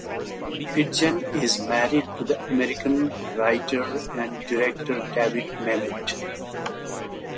Pidgeon is married to the American writer and director David Mamet.